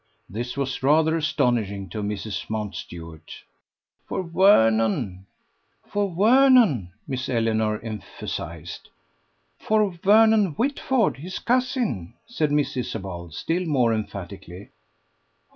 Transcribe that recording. This was rather astonishing to Mrs. Mountstuart. "For Vernon," Miss Eleanor emphasized. "For Vernon Whitford, his cousin." said Miss Isabel, still more emphatically.